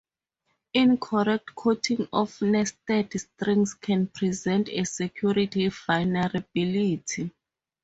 Incorrect quoting of nested strings can present a security vulnerability.